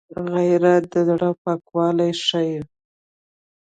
غیرت د زړه پاکوالی ښيي